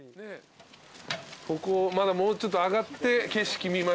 ここまだもうちょっと上がって景色見ましょう。